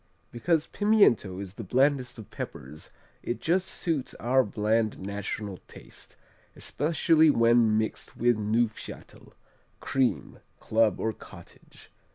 _ Because pimiento is the blandest of peppers, it just suits our bland national taste, especially when mixed with Neufchâtel, cream, club or cottage.